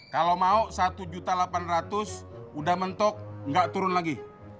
kalau mau rp satu delapan ratus udah mentok nggak turun lagi